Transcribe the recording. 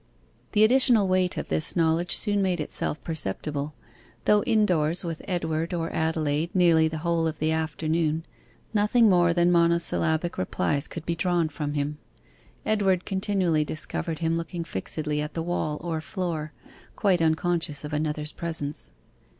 The additional weight of this knowledge soon made itself perceptible. Though indoors with Edward or Adelaide nearly the whole of the afternoon, nothing more than monosyllabic replies could be drawn from him. Edward continually discovered him looking fixedly at the wall or floor, quite unconscious of another's presence.